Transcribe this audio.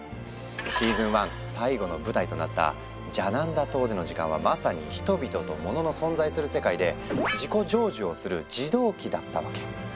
シーズン１最後の舞台となったジャナンダ島での時間はまさに人々とものの存在する世界で「自己成就」をする「児童期」だったわけ。